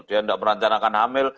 dia gak merancangkan hamil